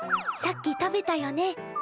さっき食べたよね。